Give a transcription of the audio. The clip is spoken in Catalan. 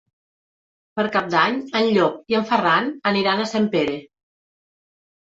Per Cap d'Any en Llop i en Ferran aniran a Sempere.